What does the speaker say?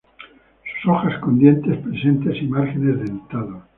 Sus hojas con dientes presentes y márgenes dentados.